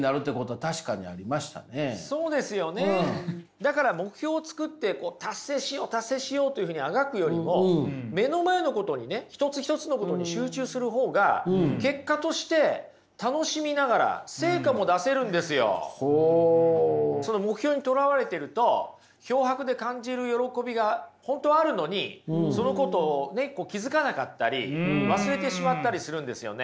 だから目標を作って達成しよう達成しようというふうにあがくよりも目標にとらわれてると漂泊で感じる喜びが本当はあるのにそのことを気付かなかったり忘れてしまったりするんですよね。